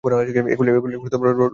এগুলি হ্রস্ব বা দীর্ঘ হতে পারে।